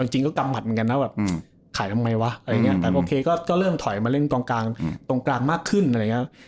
จริงก็กำหมัดเหมือนกันนะแบบขายทำไมวะแต่โอเคก็เริ่มถอยมาเล่นตรงกลางมากขึ้นอะไรอย่างนี้